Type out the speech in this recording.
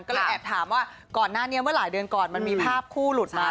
ก็เลยแอบถามว่าก่อนหน้านี้เมื่อหลายเดือนก่อนมันมีภาพคู่หลุดมา